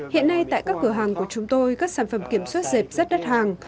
hiện nay tại các cửa hàng của chúng tôi các sản phẩm kiểm soát dẹp rất đắt hàng